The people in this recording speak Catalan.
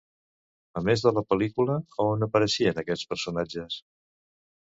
A més de la pel·lícula, on apareixen aquests personatges?